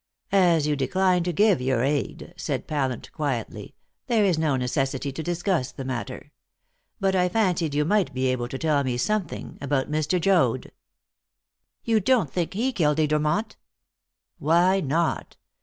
"As you decline to give your aid," said Pallant quietly, "there is no necessity to discuss the matter. But I fancied you might be able to tell me something about Mr. Joad." "You don't think he killed Edermont?" "Why not?